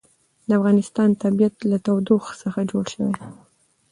د افغانستان طبیعت له تودوخه څخه جوړ شوی دی.